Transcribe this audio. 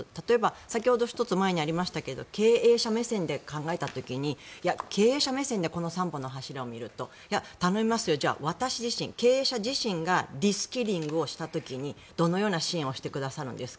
先ほど前に１つありましたが経営者目線で考えた時に経営者目線でこの３本の柱を見るとためますよ経営者自身がリスキリングをした時にどのような支援をしてくださるんですか。